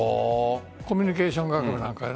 コミュニケーション学部なんかで。